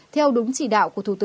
theo đúng chỉ đạo của bộ y tế